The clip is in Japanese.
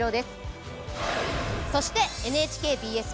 そしてＮＨＫＢＳ